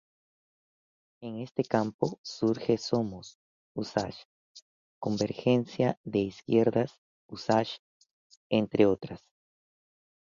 En este campo surge Somos Usach, Convergencia de Izquierdas Usach entre otras colectividades.